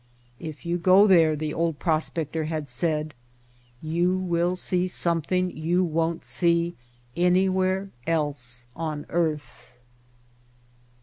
"If you go there," the old prospector had said, "you will see something you won't see anywhere else on earth.'